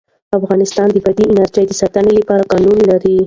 افغانستان د بادي انرژي د ساتنې لپاره قوانین لري.